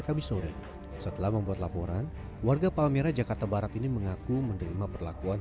kami sore setelah membuat laporan warga palmera jakarta barat ini mengaku menerima perlakuan